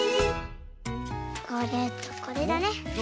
これとこれだね。